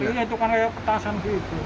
ini itu kan kayak petasan gitu